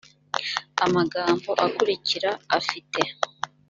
amagambo akurikira afite